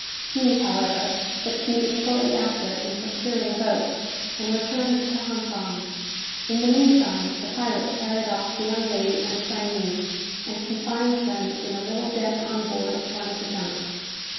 He, however, succeeded shortly after in procuring a boat, and returned to Hong Kong. In the meantime the pirates carried off the young lady and the Chinese, and confined them in a little den on board one of the junks.